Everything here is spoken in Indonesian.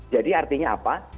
jadi artinya apa